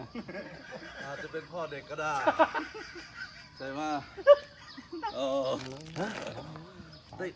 อาจจะเป็นพ่อเด็กก็ได้